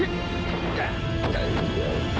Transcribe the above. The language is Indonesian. mungkin terlalu help